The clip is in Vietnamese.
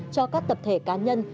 cho các tập thể cá nhân